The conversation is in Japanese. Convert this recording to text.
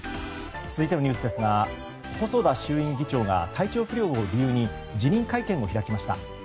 続いてのニュースですが細田衆院議長が体調不良を理由に辞任会見を開きました。